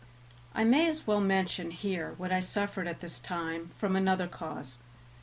I may as well mention here what I suffered at this time from another cause.